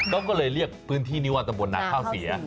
เขาก็เลยเรียกพื้นที่นี้ว่าตำบลนาข้าวเสีย